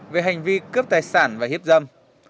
về hành vi cướp tài sản và hiếp dâm